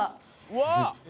「うわっ！